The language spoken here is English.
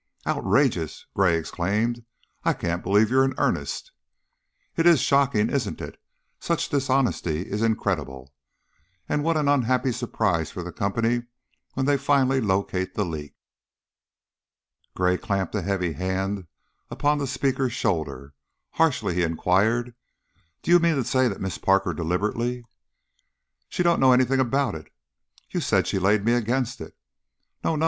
"Outrageous!" Gray exclaimed. "I can't believe you are in earnest." "It is shocking, isn't it? Such dishonesty is incredible. And what an unhappy surprise for the company when they finally locate the leak!" Gray clamped a heavy hand upon the speaker's shoulder; harshly he inquired, "Do you mean to say that Miss Parker deliberately " "She don't know anything about it." "You said she 'laid me' against it." "No, no!